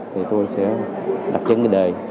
thì tôi sẽ đặt chấn cái đề